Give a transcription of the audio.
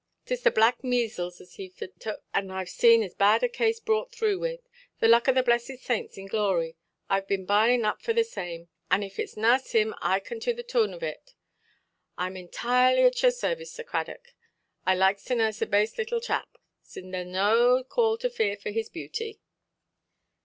'Tis the black measles as heʼve tuk, and Iʼve seen as bad a case brought through with. The luck oʼ the blessed saints in glory! Iʼve been bilin' up for the same. If itʼs narse him I can to the toorn of it, Iʼm intirely at your sairvice, Sir Craduck. I likes to narse a base little chap, sin' thereʼs no call to fear for his beauty".